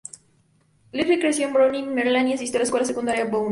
Gifford creció en Bowie, Maryland, y asistió a la Escuela Secundaria Bowie.